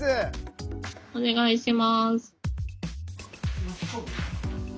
お願いします。